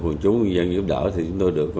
quân chú quân dân giúp đỡ thì chúng tôi được